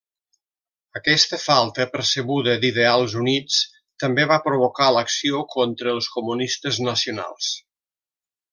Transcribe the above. Aquesta falta percebuda d'ideals units, també va provocar l'acció contra els comunistes nacionals.